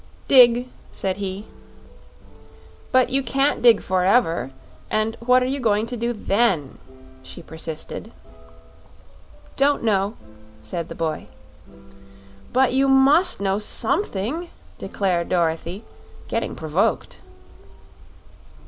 "Dig," said he. "But you can't dig forever; and what are you going to do then?" she persisted. "Don't know," said the boy. "But you MUST know SOMETHING," declared Dorothy, getting provoked.